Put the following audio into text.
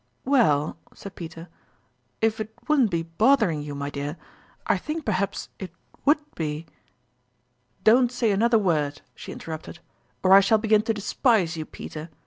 ""Well," said Peter, "if it wouldn't be bothering you, my dear, I think perhaps it would be "" Don't say another word," she interrupted, " or I shall begin to despise you, Peter